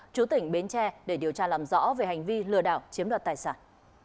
chú tỉnh bến tre để điều tra làm rõ về hành vi lừa đảo chiếm đoạt tài sản